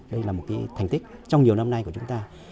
đây là một cái thành tích trong nhiều năm nay của chúng ta